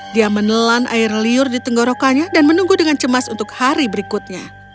dia menelan air liur di tenggorokannya dan menunggu dengan cemas untuk hari berikutnya